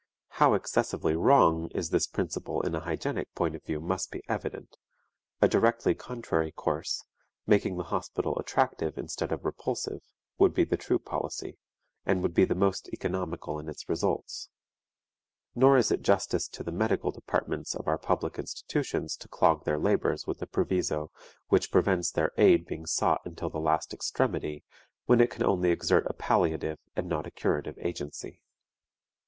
How excessively wrong is this principle in a hygienic point of view must be evident; a directly contrary course, making the hospital attractive instead of repulsive, would be the true policy, and would be the most economical in its results. Nor is it justice to the medical departments of our public institutions to clog their labors with a proviso which prevents their aid being sought until the last extremity, when it can only exert a palliative and not a curative agency.